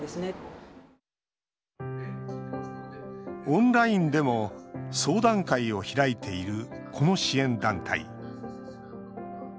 オンラインでも相談会を開いている、この支援団体。